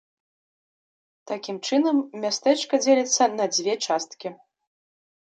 Такім чынам мястэчка дзеліцца на дзве часткі.